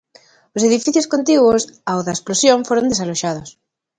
Os edificios contiguos ao da explosión foron desaloxados.